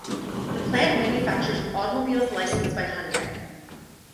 The plant manufactures automobiles licensed by Hyundai.